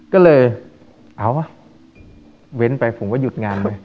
ก็เลยเอาว่ะเว้นไปผมก็หยุดงานไป